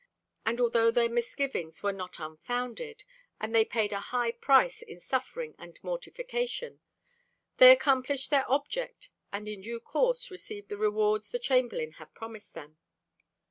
And although their misgivings were not unfounded, and they paid a high price in suffering and mortification, they accomplished their object and in due course received the rewards the Chamberlain had promised them.